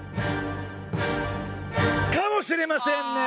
かもしれませんね！